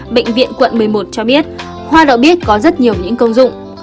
bệnh viện quận một mươi một cho biết hoa đậu biếc có rất nhiều những công dụng